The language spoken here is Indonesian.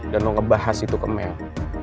dan lo ngebahas itu ke mel